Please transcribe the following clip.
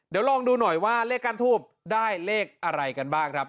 เดี๋ยวลองดูหน่อยว่าเลขก้านทูบได้เลขอะไรกันบ้างครับ